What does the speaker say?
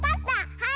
はい！